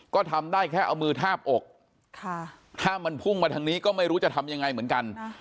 ก็ทำได้แค่เอามือทาบอกถ้ามันพุ่งมาทางนี้ก็ไม่รู้จะทำยังไงเหมือนกัน